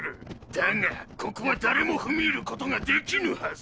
だがここは誰も踏み入ることができぬはず！